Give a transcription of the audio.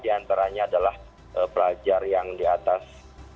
di antaranya adalah pelajar yang di atas